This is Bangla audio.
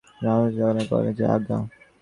রামমোহন শুষ্কভাবে কহিল, যে আজ্ঞা।